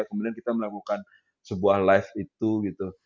kemudian kita melakukan sebuah live itu gitu